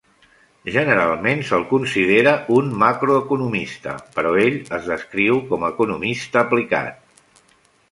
Generalment se'l considera un macroeconomista, però ell és descriu com a "economista aplicat".